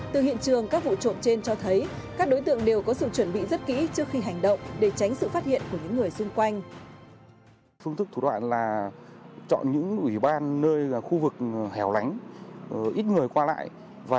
từ hiện trường các vụ trộm trên cho thấy các đối tượng đều có sự chuẩn bị rất kỹ trước khi hành động để tránh sự phát hiện của những người xung quanh